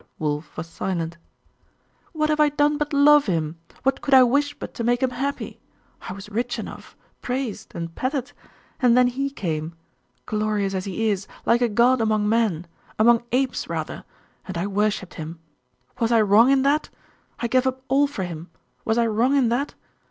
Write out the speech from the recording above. Wulf was silent. 'What have I done but love him? What could I wish but to make him happy? I was rich enough, praised, and petted;.... and then he came,.... glorious as he is, like a god among men among apes rather and I worshipped him: was I wrong in that? I gave up all for him: was I wrong in that?